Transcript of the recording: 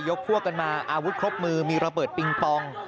พวกกันมาอาวุธครบมือมีระเบิดปิงปอง